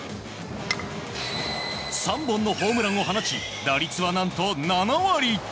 ３本のホームランを放ち打率は、何と７割！